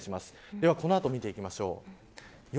ではこの後を見ていきましょう。